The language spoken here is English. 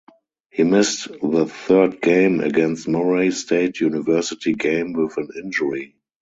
He missed the third game against Murray State University game with an injury.